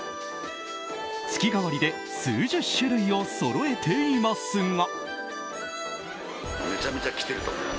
月替わりで数十種類をそろえていますが。